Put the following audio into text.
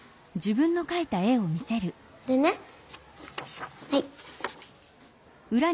でねはい。